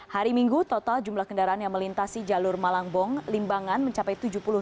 hari minggu total jumlah kendaraan yang melintasi jalur malangbong limbangan mencapai tujuh puluh dua